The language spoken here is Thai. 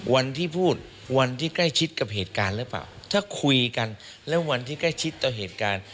วันที่พูดวันที่ใกล้ชิดกับเหตุการณ์หรือเปล่าถ้าคุยกันแล้ววันที่ใกล้ชิดต่อเหตุการณ์